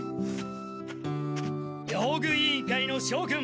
用具委員会の諸君！